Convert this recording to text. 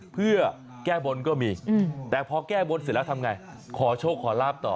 เพื่อแก้บนก็มีแต่พอแก้บนเสร็จแล้วทำไงขอโชคขอลาบต่อ